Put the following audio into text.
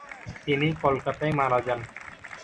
তিনি কলকাতায় মারা যান।